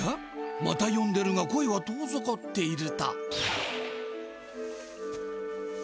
またよんでるが声は遠ざかっていると。